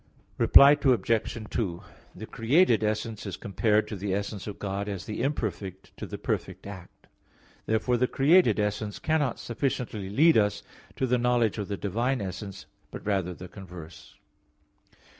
Reply Obj. 2: The created essence is compared to the essence of God as the imperfect to the perfect act. Therefore the created essence cannot sufficiently lead us to the knowledge of the divine essence, but rather the converse.